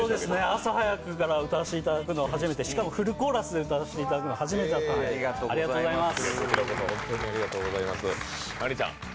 朝早くから歌わせていただくのは初めて、しかもフルコーラスで歌わせていただくのは初めてだったんでありがとうございます。